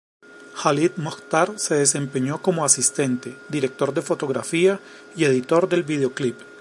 Khaled Mokhtar se desempeñó como asistente, director de fotografía y editor del videoclip.